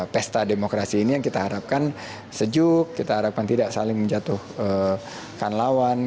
pesta demokrasi ini yang kita harapkan sejuk kita harapkan tidak saling menjatuhkan lawan